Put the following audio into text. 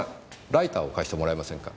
ライターを貸してもらえませんか？